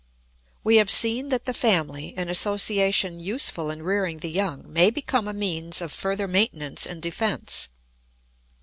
] We have seen that the family, an association useful in rearing the young, may become a means of further maintenance and defence.